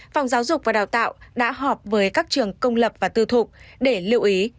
phòng giáo dục và đào tạo đã họp với các trường công lập và tư thục để lưu ý